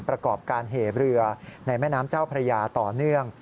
ประกอบการเหเรือในแม่น้ำเจ้าพระยาต่อเนื่อง